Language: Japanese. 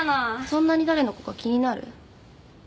そんなに誰の子か気になる？